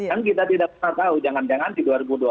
kan kita tidak pernah tahu jangan jangan di dua ribu dua puluh